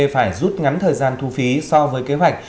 phải rút ngắn thời gian thu phí so với kế hoạch